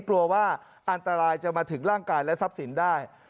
กลัวว่าอันตรายจะมาถึงร่างกายและทรัพย์สินได้